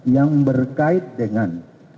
yang berkait dengan